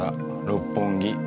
六本木。